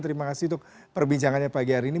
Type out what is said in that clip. terima kasih untuk perbincangannya pagi hari ini